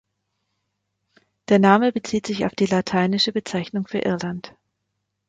Der Name bezieht sich auf die lateinische Bezeichnung für Irland.